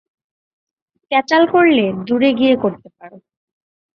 ক্যাঁচাল করলে, দূরে গিয়ে করতে পারো।